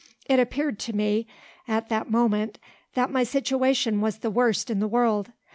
It appeared to me, at that moment, that my situation was the worst in the world.